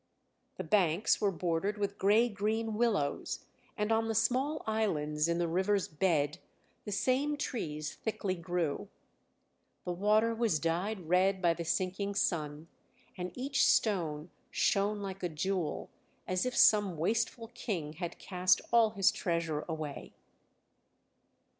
The banks were bordered with grey green willows and on the small islands in the river's bed the same trees thickly grew. The water was dyed red by the sinking sun, and each stone shone like a jewel, as if some wasteful king had cast all his treasure away.